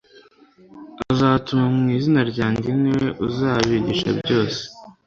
azatuma mu izina ryanjye ni we uzabigisha byose